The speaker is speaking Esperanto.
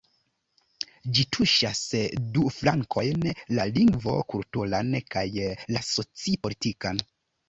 Ĝi tuŝas du flankojn: la lingvo-kulturan kaj la soci-politikan.